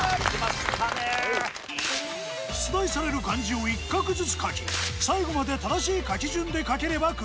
出題される漢字を１画ずつ書き最後まで正しい書き順で書ければクリア。